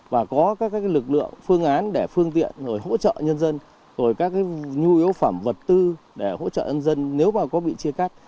và có các lực lượng phương án để phương tiện rồi hỗ trợ nhân dân rồi các nhu yếu phẩm vật tư để hỗ trợ nhân dân nếu mà có bị chia cắt